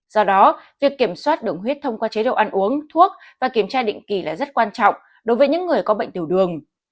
do đó việc kiểm soát đường huyết thông qua chế độ ăn uống thuốc và kiểm tra định kỳ là rất quan trọng đối với những người có bệnh tiểu đường